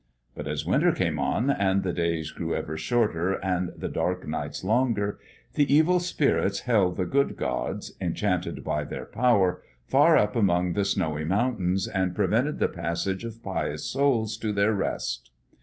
But as winter came on, and the days grew ever shorter and the dark nights longer, the evil spirits held the good gods, enchanted by their power, far up among the snowy mountains, and prevented the passage of pious souls to their rest.